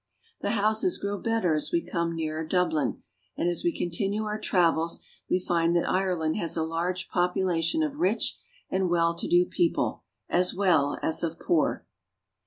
The houses grow better as we come nearer Dublin, and as we continue our travels we find that Ireland has a large population of rich and well to do people as well as of poor.